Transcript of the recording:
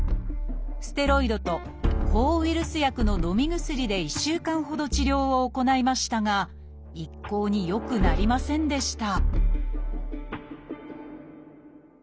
ステロイドと抗ウイルス薬ののみ薬で１週間ほど治療を行いましたが一向に良くなりませんでした